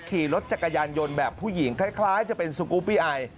ขี่รถจักรยานยนต์แบบผู้หญิงคล้ายจะเป็นสกูปปี้ไอ